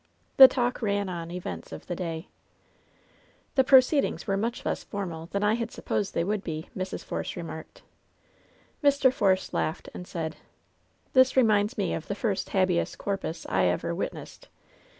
The talk ran on events of the day. 128 LOVE'S BITTEREST CUP ^The proceedings were much less formal than I had supposed they would be/' Mrs* Force remarked* Mr. Force laughed, and said : ^^This reminds me of the first habeas corpus case I ever witnessed.